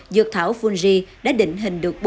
dược thảo fungri đã định hình được